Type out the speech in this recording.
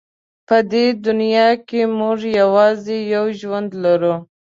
په دې دنیا کې موږ یوازې یو ژوند لرو.